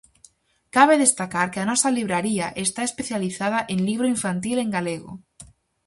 Cabe destacar que a nosa libraría está especializada en libro infantil en galego.